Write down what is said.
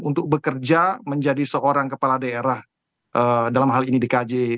untuk bekerja menjadi seorang kepala daerah dalam hal ini dkj